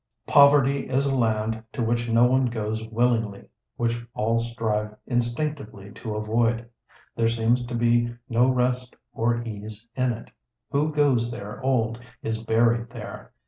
Poverty is a land to which no one goes willingly, which all strive instinctively to avoid. There seems to be no rest or ease in it. Who goes there old is buried there.